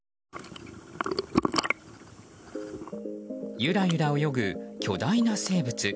ゆらゆら泳ぐ巨大な生物。